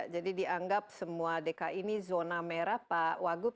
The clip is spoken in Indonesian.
jadi dianggap semua dki ini zona merah pak wagub